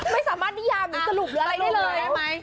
ไม่สามารถพิยามสรุปหรืออะไรได้เลย